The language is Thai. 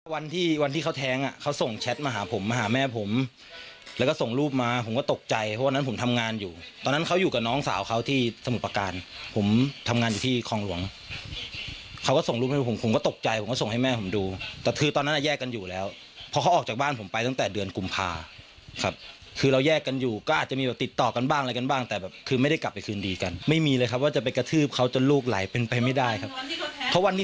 วันที่วันที่เขาแท้งอ่ะเขาส่งแชทมาหาผมมาหาแม่ผมแล้วก็ส่งรูปมาผมก็ตกใจเพราะว่านั้นผมทำงานอยู่ตอนนั้นเขาอยู่กับน้องสาวเขาที่สมุทรประการผมทำงานอยู่ที่คลองหลวงเขาก็ส่งรูปให้ผมผมก็ตกใจผมก็ส่งให้แม่ผมดูแต่คือตอนนั้นแยกกันอยู่แล้วเพราะเขาออกจากบ้านผมไปตั้งแต่เดือนกุมภาค่ะคือเราแยกกันอยู่ก็อาจจะ